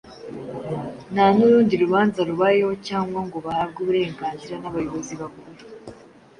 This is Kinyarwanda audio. nta n’urundi rubanza rubayeho cyangwa ngo bahabwe uburenganzira n’abayobozi bakuru